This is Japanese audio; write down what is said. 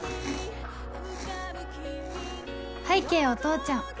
拝啓お父ちゃん